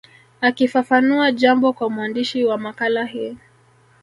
Akifafanua jambo kwa mwandishi wa makala hii